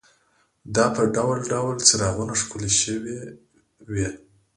دا په ډول ډول څراغونو ښکلې شوې وې.